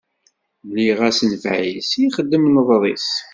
Mliɣ-as nnfeɛ-is, ixdem nneḍṛ-is.